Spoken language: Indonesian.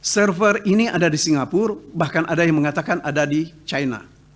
server ini ada di singapura bahkan ada yang mengatakan ada di china